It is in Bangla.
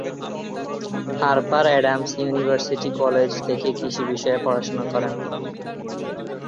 হার্পার অ্যাডামস ইউনিভার্সিটি কলেজ থেকে কৃষি বিষয়ে পড়াশোনা করেন।